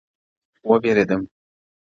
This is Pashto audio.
وبېرېدم ـ